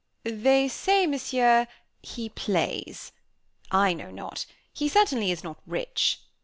"They say, Monsieur, he plays. I know not. He certainly is not rich.